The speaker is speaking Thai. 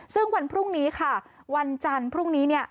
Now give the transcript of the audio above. ซึ่งวันพรุ่งนี้ค่ะวันจันทร์พรุ่งนี้เนี่ย